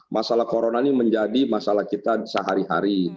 masalah corona ini menjadi masalah kita sehari hari